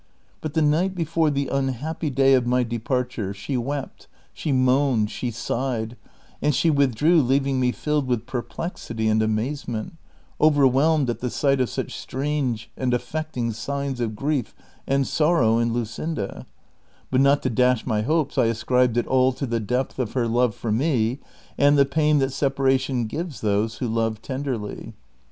But the night before the unhappy day of my departure she wept, she moaned, she sighed, and she withdrew leaving me tilled with per plexity and amazement, overwhelmed at the sight of such strange and affecting signs of grief and sorrow in Luscinda; but not to dash my hopes I ascribed it all to the dcptli of her love for me and the pain that separation gives those who love tenderly.